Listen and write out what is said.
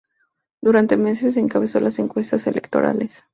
Durante meses encabezó las encuestas electorales.